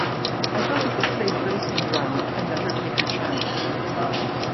I felt it was safe racing ground and let her take her chance.